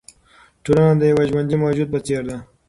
ټولنه د یوه ژوندي موجود په څېر ده.